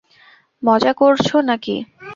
মজা করছো নাকি?